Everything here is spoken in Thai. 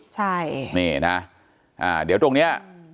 ใช่